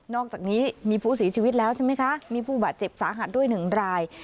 อกจากนี้มีผู้เสียชีวิตแล้วใช่ไหมคะมีผู้บาดเจ็บสาหัสด้วย๑ราย